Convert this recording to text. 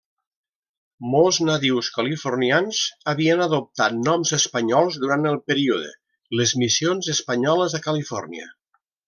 Molts nadius californians havien adoptat noms espanyols durant el període les Missions espanyoles a Califòrnia.